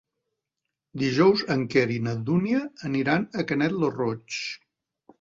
Dijous en Quer i na Dúnia aniran a Canet lo Roig.